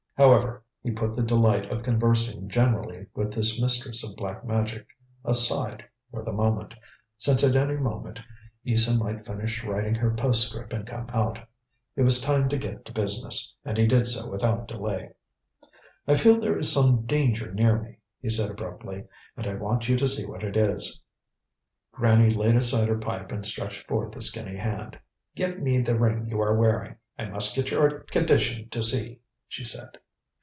However, he put the delight of conversing generally with this mistress of Black Magic aside for the moment, since at any moment Isa might finish writing her postscript and come out. It was time to get to business, and he did so without delay. "I feel there is some danger near me," he said abruptly, "and I want you to see what it is." Granny laid aside her pipe and stretched forth a skinny hand. "Give me the ring you are wearing. I must get your condition to see," she said.